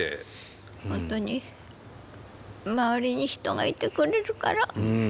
本当に周りに人がいてくれるから。